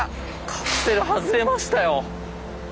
カプセル外れましたよ。